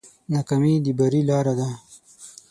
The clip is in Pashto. ناکامي د بری لاره ده.